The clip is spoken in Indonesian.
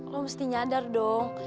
lo mesti nyadar dong